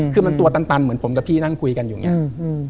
คือมันตัวตันเหมือนผมกับพี่นั่งคุยกันอยู่อย่างนี้